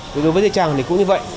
đối với dây chằn thì cũng như vậy